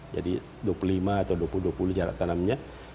jadi dua puluh lima atau dua puluh dua puluh jarak tanamnya